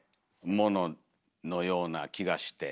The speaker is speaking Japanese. もののような気がして。